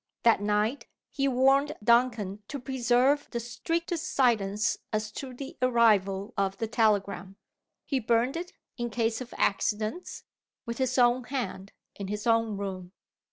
That night he warned Duncan to preserve the strictest silence as to the arrival of the telegram. He burned it, in case of accidents, with his own hand, in his own room.